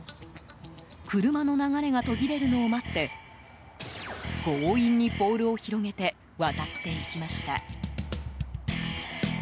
車の流れが途切れるのを待って強引にポールを広げて渡っていきました。